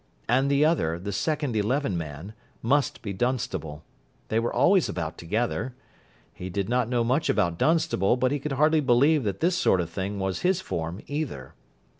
And the other, the second eleven man, must be Dunstable. They were always about together. He did not know much about Dunstable, but he could hardly believe that this sort of thing was his form either.